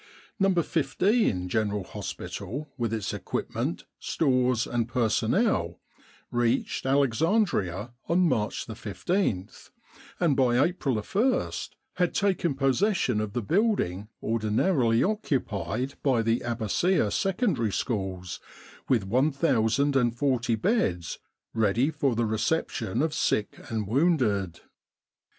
No. 15 General Hospital with its equipment, stores, and personnel, reached Alex andria on March 15, and by April i had taken posses sion of the building ordinarily occupied by the Abbassieh Secondary Schools with 1,040 beds ready for the reception of sick and wounded.